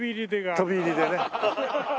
飛び入りでね。